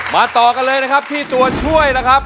ต่อกันเลยนะครับที่ตัวช่วยนะครับ